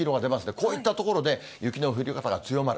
こういった所で、雪の降り方が強まる。